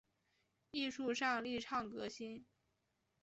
艺术上力倡革新